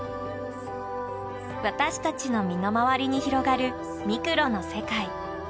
私たちの身の回りに広がるミクロの世界。